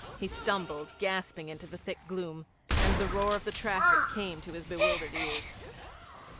He stumbled gasping into the thick gloom, and the roar of the traffic came to his bewildered ears.